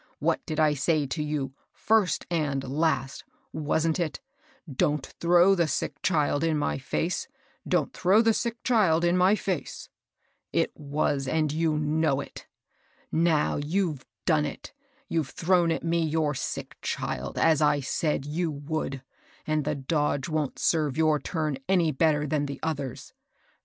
What did I say to you, first and last ? Wasn't it, * Don't throw the sick child in my fej; ifc\ ^ss^^^ 330 MABEL ROSS. throw the sick child in my fece '? It was ; aud you know it. Now you've done it, — youVe thrown at me your sick child, as I said you would ; and the dodge wont serve your turn any better than the others.